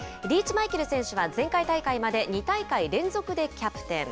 マイケル選手は、前回大会まで２大会連続でキャプテン。